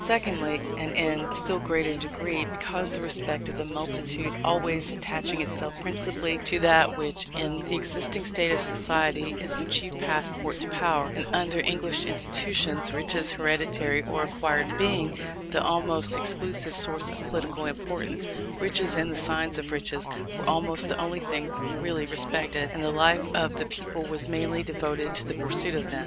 Secondly, and in a still greater degree, because the respect of the multitude always attaching itself principally to that which, in the existing state of society, is the chief passport to power; and under English institutions, riches, hereditary or acquired, being the almost exclusive source of political importance; riches, and the signs of riches, were almost the only things really respected, and the life of the people was mainly devoted to the pursuit of them.